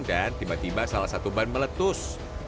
dan tiba tiba salah satu ban meletus